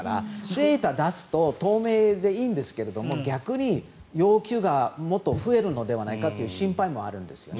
データを出すと透明でいいんですけども逆に要求がもっと増えるのではないかという心配もあるんですよね。